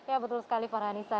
ya betul sekali farhanisa